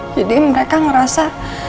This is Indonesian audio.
jadi mereka ngerasa